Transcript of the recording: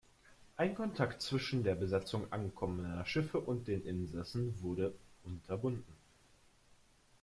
Ein Kontakt zwischen der Besatzung ankommender Schiffe und den Insassen wurde unterbunden.